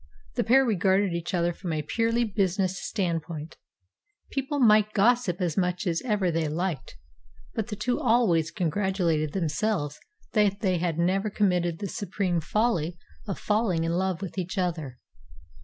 The pair regarded each other from a purely business standpoint. People might gossip as much as ever they liked; but the two always congratulated themselves that they had never committed the supreme folly of falling in love with each other.